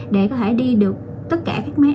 để có thể đi được tất cả các máy